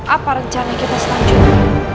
apa rencana kita selanjutnya